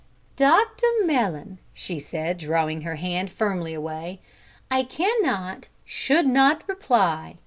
"Dr Mellon," she said, drawing her hand firmly away, "I cannot, should not reply.